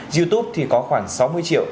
youtube thì có khoảng sáu mươi triệu